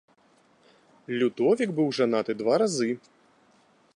Людовік быў жанаты два разы.